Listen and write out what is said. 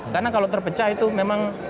karena kalau terpecah itu memang